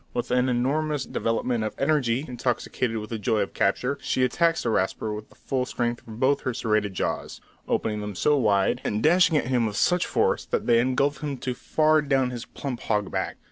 With an enormous development of energy, intoxicated with the joy of capture, she attacks the Rasper with the full strength of both her serrated jaws, opening them so wide, and dashing at him with such force, that they engulf him to far down his plump hog back.